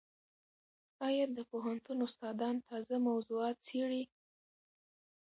ایا د پوهنتون استادان تازه موضوعات څېړي؟